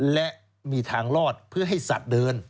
และมีทางลอดเพื่อให้สัตว์เดิน